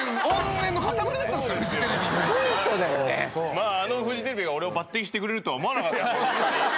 まああのフジテレビが俺を抜てきしてくれるとは思わなかった。